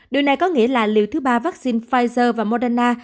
điều này có nghĩa là liều thứ ba vaccine pfizer và moderna